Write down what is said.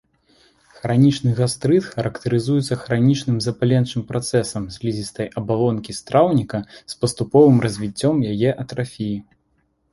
Хранічны гастрыт характарызуецца хранічным запаленчым працэсам слізістай абалонкі страўніка з паступовым развіццём яе атрафіі.